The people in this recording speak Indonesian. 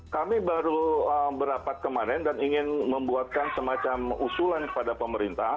kami baru berapat kemarin dan ingin membuatkan semacam usulan kepada pemerintah